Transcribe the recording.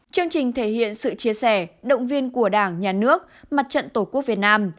chương trình thể hiện sự chia sẻ động viên của đảng nhà nước mặt trận tổ quốc việt nam